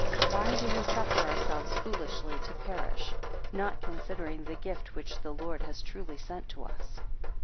Why do we suffer ourselves foolishly to perish; not considering the gift which the Lord has truly sent to us?